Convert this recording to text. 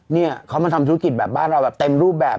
เนี่ยเขามาทำธุรกิจแบบบ้านเราแบบเต็มรูปแบบ